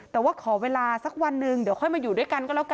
แต่ว่าขอเวลาสักวันหนึ่งเดี๋ยวค่อยมาอยู่ด้วยกันก็แล้วกัน